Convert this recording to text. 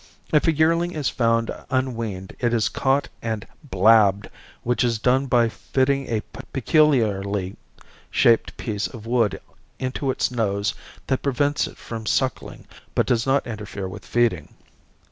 If a yearling is found unweaned it is caught and "blabbed" which is done by fitting a peculiarly shaped piece of wood into its nose that prevents it from sucking but does not interfere with feeding.